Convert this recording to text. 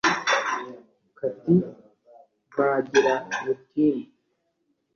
Kati mbagira butimbo